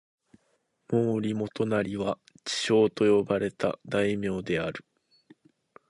毛利元就は智将と呼ばれた大名である。